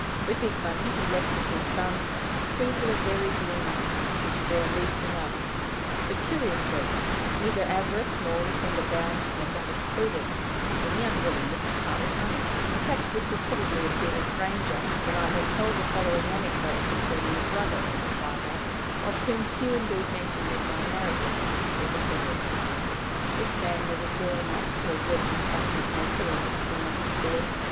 With his money he left to his son the seeds of a varied meanness, which bore weeds enough, but curiously, neither avarice nor, within the bounds of a modest prudence, any unwillingness to part with money a fact which will probably appear the stranger when I have told the following anecdote concerning a brother of the father, of whom few indeed mentioned in my narrative ever heard. This man was a joiner, or working cabinet maker, or something of the sort.